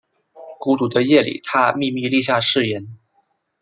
孤独的夜里他秘密立下誓言